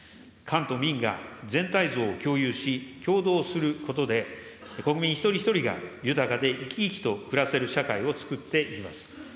官と民が全体像を共有し、協働することで、国民一人一人が豊かで、生き生きと暮らせる社会をつくっていきます。